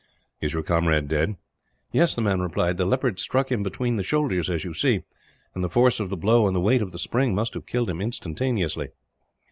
"Is your comrade dead?" "Yes," the man replied. "The leopard struck him between the shoulders as you see; and the force of the blow, and the weight of the spring, must have killed him instantaneously."